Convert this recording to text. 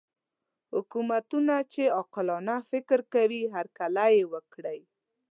حکومتونه چې عاقلانه فکر کوي هرکلی وکړي.